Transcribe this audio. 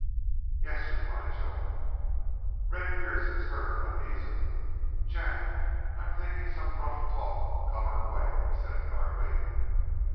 "Yes," replied Joan. Red Pearce stirred uneasily. "Jack, I'm thinkin' some rough talk'll come her way," he said, darkly.